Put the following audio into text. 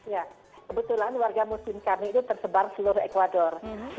ya kebetulan warga muslim kami itu tersebar seluruh ecuador